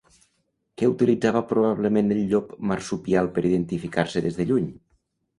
Què utilitzava probablement el llop marsupial per identificar-se des de lluny?